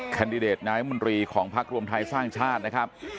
คันดิเดตนายมนตรีของภาครวมไทยสร้างชาตินะครับ